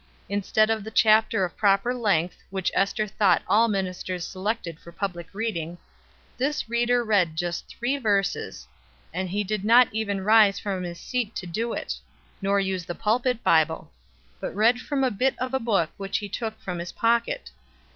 Instead of the chapter of proper length, which Ester thought all ministers selected for public reading, this reader read just three verses, and he did not even rise from his seat to do it, nor use the pulpit Bible, but read from a bit of a book which he took from his pocket.